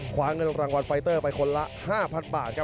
คว้าเงินรางวัลไฟเตอร์ไปคนละ๕๐๐บาทครับ